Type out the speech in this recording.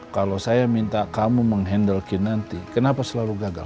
kalau saya minta kamu menghandle kinanti kenapa selalu gagal